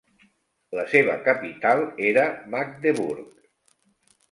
La seva capital era Magdeburg.